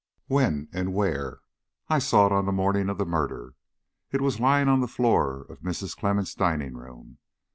"When and where?" "I saw it on the morning of the murder. It was lying on the floor of Mrs. Clemmens' dining room.